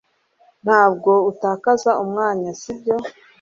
Ntabwo utakaza umwanya sibyo